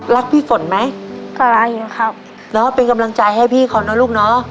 พี่ฝนไหมก็รักอยู่ครับแล้วเป็นกำลังใจให้พี่เขานะลูกเนอะ